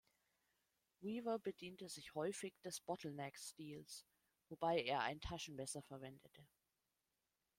Weaver bediente sich häufig des Bottleneck-Stils, wobei er ein Taschenmesser verwendete.